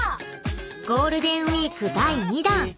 ［ゴールデンウイーク第２弾］